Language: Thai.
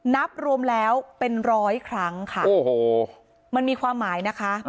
นับรวมแล้วเป็นร้อยครั้งค่ะโอ้โหมันมีความหมายนะคะ